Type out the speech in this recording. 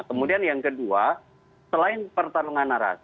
kemudian yang kedua selain pertarungan narasi